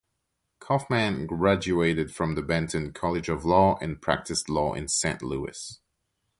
Kaufmann graduated from the Benton College of Law and practiced law in Saint Louis.